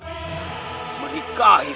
belum seluman berdebah itu